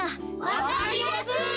わかりやすい！